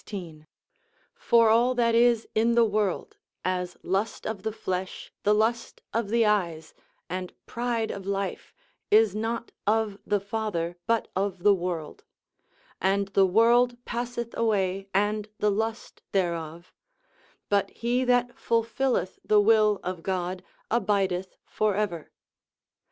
For all that is in the world, as lust of the flesh, the lust of the eyes, and pride of life, is not of the Father, but of the world: and the world passeth away and the lust thereof; but he that fulfilleth the will of God abideth for ever.